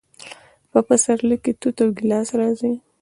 په پسرلي کې توت او ګیلاس راځي.